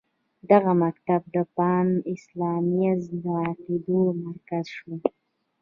دغه مکتب د پان اسلامیزم د عقایدو مرکز شو.